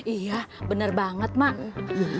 iya bener banget mak